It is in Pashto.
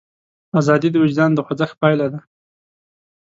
ازادي د وجدان د خوځښت پایله ده.